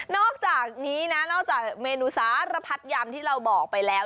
อกจากนี้นะนอกจากเมนูสารพัดยำที่เราบอกไปแล้ว